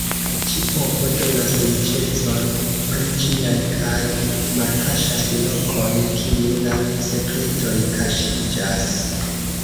Ĉi-povo donas riĉecon pri ĉiaj kaj malkaŝas lokon kie la sekretoj kaŝiĝas.